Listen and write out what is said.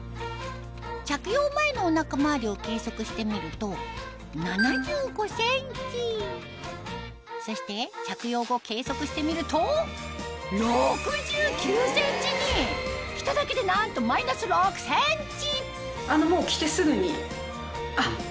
着用前のお腹周りを計測してみるとそして着用後計測してみると着ただけでなんとマイナス６ｃｍ！